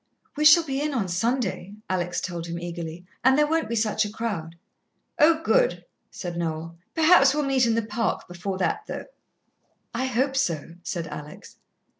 "We shall be in on Sunday," Alex told him eagerly, "and there won't be such a crowd." "Oh, good," said Noel. "Perhaps we'll meet in the Park before that, though." "I hope so," said Alex.